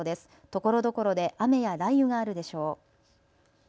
ところどころで雨や雷雨があるでしょう。